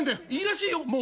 いいらしいよ！